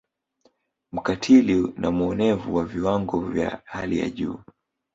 Mkatili na muonevu wa viwango vya hali ya juu